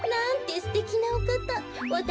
すてきなおかた。